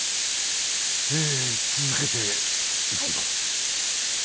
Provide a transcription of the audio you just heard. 続けていきます。